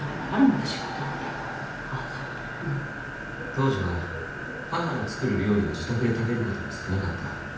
当時は母の作る料理を自宅で食べることも少なかった。